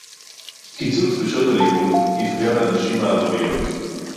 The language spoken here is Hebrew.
קיצוץ בשעות הלימוד יפגע בנשים הערביות